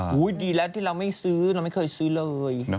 ดีแล้วที่เราไม่ซื้อเราไม่เคยซื้อเลย